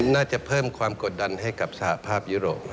น่าจะเพิ่มความกดดันให้กับสหภาพยุโรป